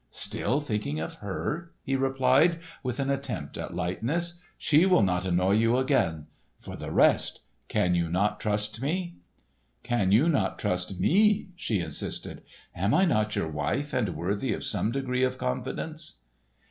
"Still thinking of her?" he replied with an attempt at lightness. "She will not annoy you again. For the rest, can you not trust me?" "Can you not trust me?" she insisted. "Am I not your wife and worthy of some degree of confidence?"